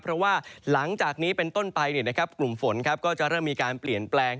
เพราะว่าหลังจากนี้เป็นต้นไปกลุ่มฝนก็จะเริ่มมีการเปลี่ยนแปลง